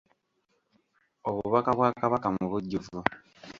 Obubaka bwa Kabaka mu bujjuvu